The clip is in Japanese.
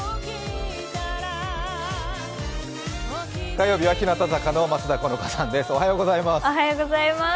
火曜日は日向坂の松田好花さんです。